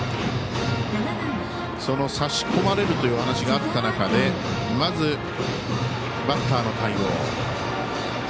差し込まれるというお話があった中でまず、バッターの対応。